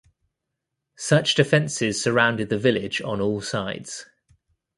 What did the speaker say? Such defenses surrounded the villages on all sides.